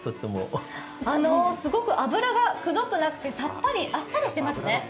すごく脂がくどくなくてさっぱりしていますね